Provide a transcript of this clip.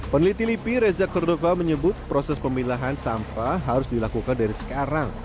peneliti lipi reza kordova menyebut proses pemilahan sampah harus dilakukan dari sekarang